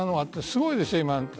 すごいですよ今。